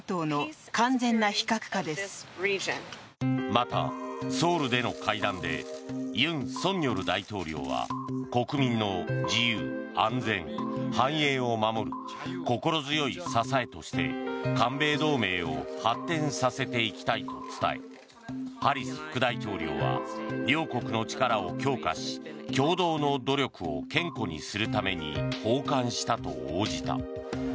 また、ソウルでの会談で尹錫悦大統領は国民の自由、安全、繁栄を守る心強い支えとして韓米同盟を発展させていきたいと伝えハリス副大統領は両国の力を強化し共同の努力を堅固にするために訪韓したと応じた。